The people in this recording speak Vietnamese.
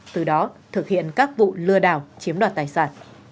từ đó thực hiện các vụ lừa đảo chiếm đoạt tài sản